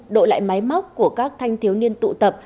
đội lại máy móc của các thanh thiếu niên tụ tập